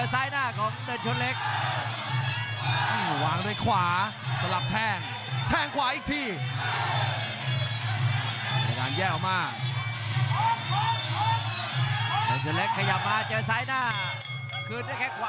ซ้ายอีกทีแล้วนี่ครับคืน